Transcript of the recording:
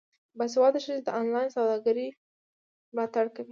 باسواده ښځې د انلاین سوداګرۍ ملاتړ کوي.